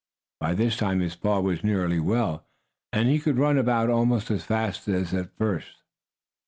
By this time his paw was nearly well, and he could run about almost as fast as at first.